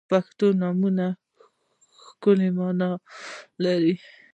• پښتو نومونه ښکلی معنا لري.